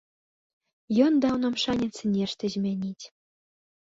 Ён даў нам шанец нешта змяніць.